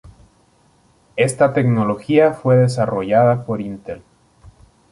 Esta tecnología fue desarrollada por Intel.